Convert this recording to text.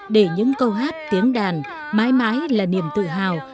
để những câu hát tiếng đàn mãi mãi là niềm tự hào